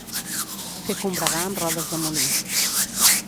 Fer combregar amb rodes de molí.